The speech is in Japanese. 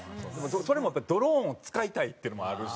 それもやっぱりドローンを使いたいっていうのもあるし。